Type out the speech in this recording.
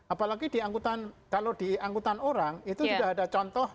apalagi di angkutan kalau di angkutan orang itu sudah ada contoh